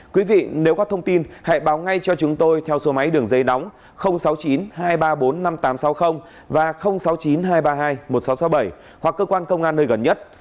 quý vị nếu có thông tin hãy báo ngay cho chúng tôi theo số máy đường dây nóng sáu mươi chín hai trăm ba mươi bốn năm nghìn tám trăm sáu mươi và sáu mươi chín hai trăm ba mươi hai một nghìn sáu trăm sáu mươi bảy hoặc cơ quan công an nơi gần nhất